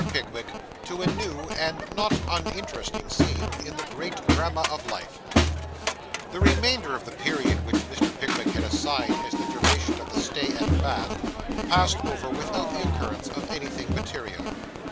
PICKWICK TO A NEW AND NOT UNINTERESTING SCENE IN THE GREAT DRAMA OF LIFE The remainder of the period which Mr. Pickwick had assigned as the duration of the stay at Bath passed over without the occurrence of anything material.